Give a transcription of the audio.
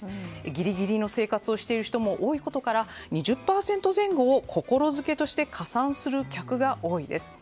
ギリギリの生活をしている人も多いことから、２０％前後を心付けとして加算する客が多いです。